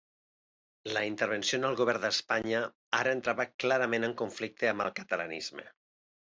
La intervenció en el govern d'Espanya ara entrava clarament en conflicte amb el catalanisme.